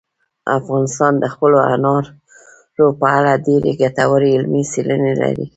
افغانستان د خپلو انارو په اړه ډېرې ګټورې علمي څېړنې لري.